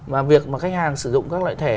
mà việc mà khách hàng sử dụng các loại thẻ